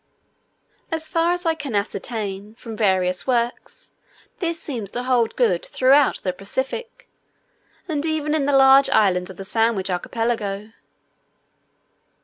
As far as I can ascertain from various works, this seems to hold good throughout the Pacific, and even in the large islands of the Sandwich archipelago.